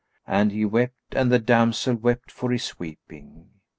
And he wept and the damsel wept for his weeping.